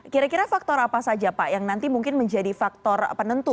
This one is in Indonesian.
kira kira faktor apa saja pak yang nanti mungkin menjadi faktor penentu